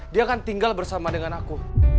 dia akan tinggal bersama dengan aku